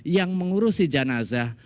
yang mengurusi janazah